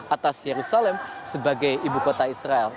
atas yerusalem sebagai ibu kota israel